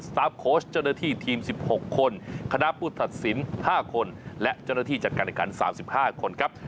ตาร์ฟโค้ชเจ้าหน้าที่ทีม๑๖คนคณะผู้ตัดสิน๕คนและเจ้าหน้าที่จัดการแข่งขัน๓๕คนครับ